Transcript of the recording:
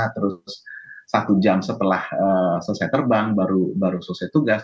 terus satu jam setelah selesai terbang baru selesai tugas